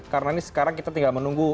karena ini sekarang kita tinggal menunggu